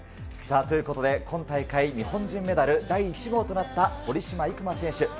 さあ、ということで今大会、日本人メダル第１号となった堀島行真選手。